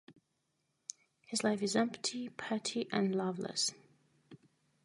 His life is empty, petty and loveless.